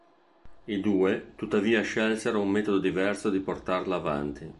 I due, tuttavia, scelsero un metodo diverso di portarla avanti.